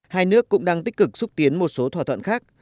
hai nước cũng đang tích cực xúc tiến một số thỏa thuận khác